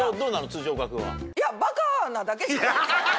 辻岡君は。